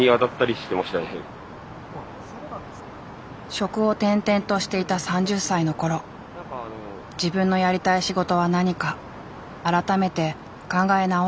職を転々としていた３０歳の頃自分のやりたい仕事は何か改めて考え直したそう。